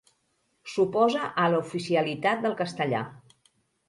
S'oposa a l'oficialitat del castellà.